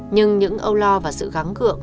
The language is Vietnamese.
nhưng những âu lo và sự gắng gượng